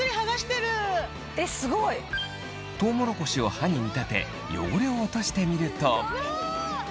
トウモロコシを歯に見立て、汚れを落としてみると。